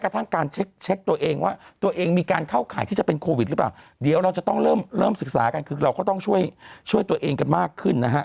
ทั้งการเช็คตัวเองว่าตัวเองมีการเข้าข่ายที่จะเป็นโควิดหรือเปล่าเดี๋ยวเราจะต้องเริ่มเริ่มศึกษากันคือเราก็ต้องช่วยช่วยตัวเองกันมากขึ้นนะฮะ